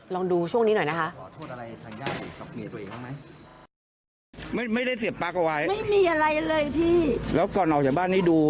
ลองดูช่วงนี้หน่อยนะคะ